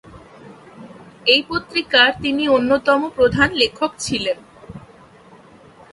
এই পত্রিকার তিনি অন্যতম প্রধান লেখক ছিলেন।